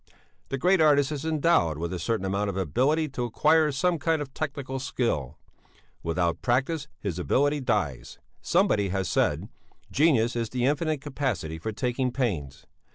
The great artist is endowed with a certain amount of ability to acquire some kind of technical skill. Without practice his ability dies. Somebody has said: genius is the infinite capacity for taking pains.